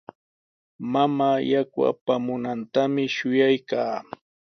Mamaa yaku apamunantami shuyaykaa.